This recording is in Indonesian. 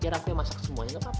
ya aku yang masak semuanya gapapa